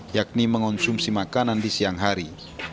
yakni mengonsumsi makanan di siang hari